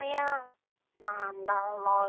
なんだもや？